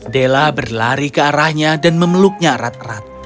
della berlari ke arahnya dan memeluknya erat erat